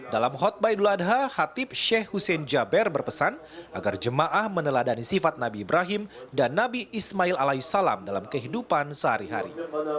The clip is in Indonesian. dalam khutbah idul adha khatib sheikh hussein jaber berpesan agar jemaah meneladani sifat nabi ibrahim dan nabi ismail alai salam dalam kehidupan sehari hari